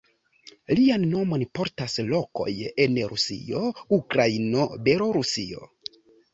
Lian nomon portas lokoj en Rusio, Ukrainio, Belorusio.